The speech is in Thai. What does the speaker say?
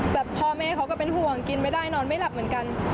แต่พ่อแม่เขาก็เป็นห่วงกินไม่ได้นอนไม่หลับเหมือนกัน